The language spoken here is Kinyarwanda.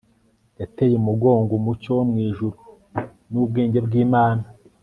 yateye umugongo umucyo wo mu ijuru n'ubwenge bw'imana